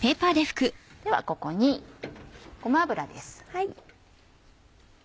ではここにごま油です。